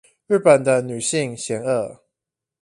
日本的女性嫌惡